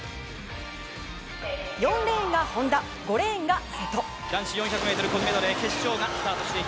４レーンが本多５レーンが瀬戸。